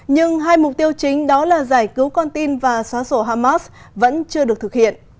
nhưng hai mục tiêu chính đó là giải cứu con tin và xóa sổ hamas vẫn chưa được thực hiện